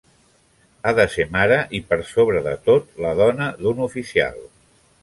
Ha de ser mare, i per sobre de tot, la dona d'un oficial.